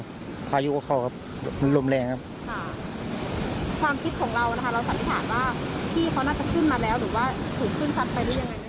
หรือว่าถึงขึ้นซัดไปหรือยังไง